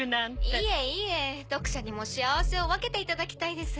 いえいえ読者にも幸せを分けていただきたいです。